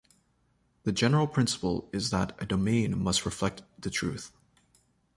The general principle is that a domain must reflect the truth.